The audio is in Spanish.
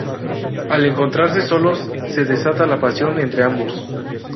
Al encontrarse solos, se desata la pasión entre ambos.